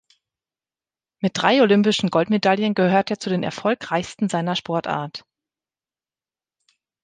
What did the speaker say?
Mit drei olympischen Goldmedaillen gehört er zu den Erfolgreichsten seiner Sportart.